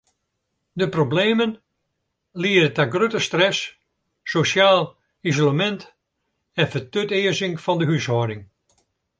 De problemen liede ta grutte stress, sosjaal isolemint en fertutearzing fan de húshâlding.